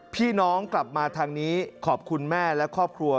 พี่น้องกลับมาทางนี้ขอบคุณแม่และครอบครัว